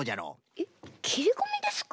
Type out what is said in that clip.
えっきりこみですか？